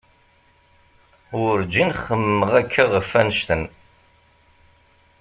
Werǧin xemmemeɣ akka ɣef annect-en.